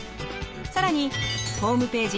更にホームページ